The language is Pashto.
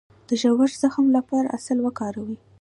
د ژور زخم لپاره عسل وکاروئ